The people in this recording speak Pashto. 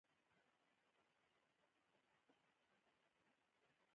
د بلخ په مارمل کې د مرمرو نښې شته.